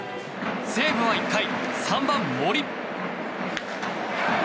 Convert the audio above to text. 西武は１回、３番、森。